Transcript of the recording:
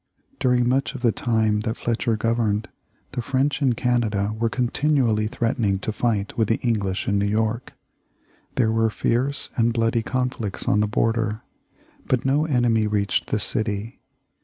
During much of the time that Fletcher governed, the French in Canada were continually threatening to fight with the English in New York. There were fierce and bloody conflicts on the border, but no enemy reached the city.